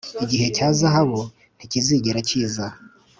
igihe cya zahabu ntikizigera kiza